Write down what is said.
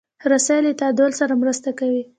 رسۍ له تعادل سره مرسته کوي.